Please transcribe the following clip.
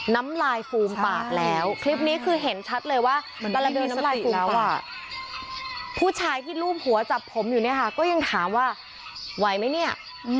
น้ำลายฟูมปากแล้วคลิปนี้คือเห็นชัดเลยว่าผู้ชายที่รูปหัวจับผมอยู่เนี่ยค่ะก็ยังถามว่าไหวไหมเนี่ย